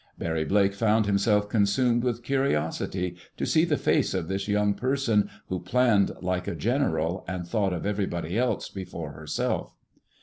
Barry Blake found himself consumed with curiosity to see the face of this young person who planned like a general and thought of everybody else before herself.